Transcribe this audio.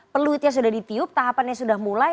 peluitnya sudah ditiup tahapannya sudah mulai